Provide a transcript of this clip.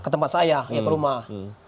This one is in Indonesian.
ke tempat saya ya ke rumah